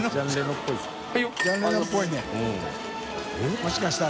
もしかしたら。